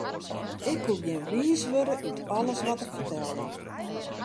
Ik koe gjin wiis wurde út alles wat er fertelde.